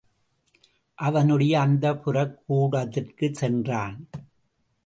அவனுடைய அந்தப்புரக் கூடத்திற்குச் சென்றான்.